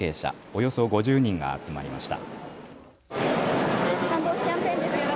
およそ５０人が集まりました。